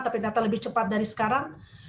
tapi ternyata lebih cepat dari sekarang